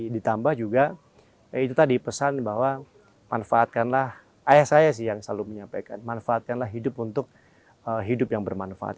ditambah juga ya itu tadi pesan bahwa manfaatkanlah ayah saya sih yang selalu menyampaikan manfaatkanlah hidup untuk hidup yang bermanfaat